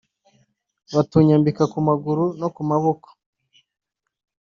batunyambika ku maguru no ku maboko